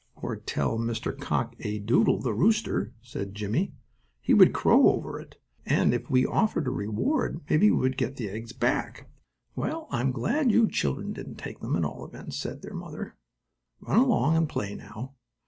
"Or tell Mr. Cock A. Doodle, the rooster," added Jimmie. "He would crow over it; and if we offered a reward, maybe we would get the eggs back." "Well, I'm glad you children didn't take them, at all events," said their mother. "Run along and play now.